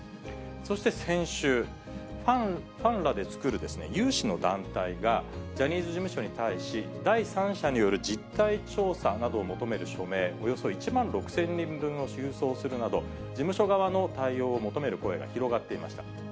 そして先週、ファンらで作る有志の団体が、ジャニーズ事務所に対し、第三者による実態調査などを求める署名およそ１万６０００人分を郵送するなど、事務所側の対応を求める声が広がっていました。